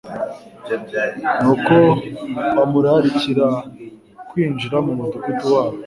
Nuko bamurarikira kwinjira mu mudugudu wabo,